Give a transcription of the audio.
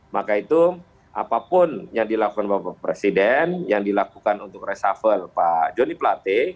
maka itu apapun yang dilakukan pak presiden yang dilakukan untuk resafel pak jody platy